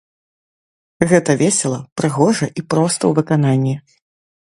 Гэта весела, прыгожа і проста ў выкананні.